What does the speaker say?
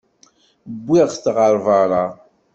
Wwiɣ-t ɣer berra.